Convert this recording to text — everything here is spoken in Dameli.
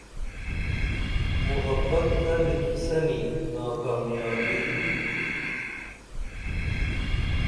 محبت تہ لیکیسنی ناکامیابی